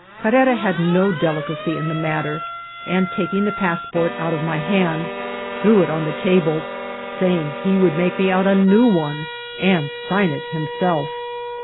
Carrera had no delicacy in the matter ; and taking the passport out of my hand, threw it on the ta ble, saying he would make me out a new one, and sign it himself.